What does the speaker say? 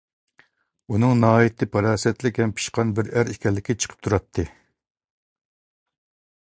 ئۇنىڭ ناھايىتى پاراسەتلىك ھەم پىشقان بىر ئەر ئىكەنلىكى چىقىپ تۇراتتى.